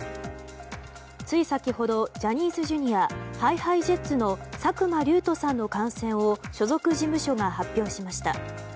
つい先ほどジャニーズＪｒ．ＨｉＨｉＪｅｔｓの作間龍斗さんの感染を所属事務所が発表しました。